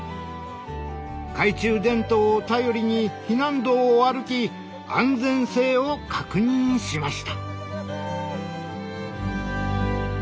懐中電灯を頼りに避難道を歩き安全性を確認しました。